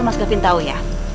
mas gafin tau ya